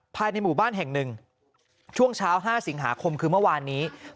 ภายในหมู่บ้านแห่งหนึ่งช่วงเช้า๕สิงหาคมคือเมื่อวานนี้